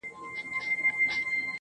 • ددې نړۍ وه ښايسته مخلوق ته.